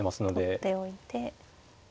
取っておいて。